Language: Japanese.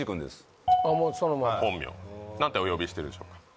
もうそのまま本名何てお呼びしてるんでしょうか？